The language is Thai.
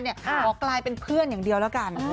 ขอกลายเป็นเพื่อนอย่างเดียวแล้วกัน